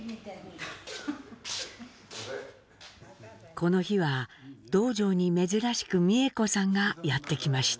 この日は洞場に珍しく美江子さんがやって来ました。